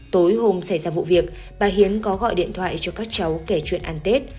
tối hôm xảy ra vụ việc bà hiến có gọi điện thoại cho các cháu kể chuyện ăn tết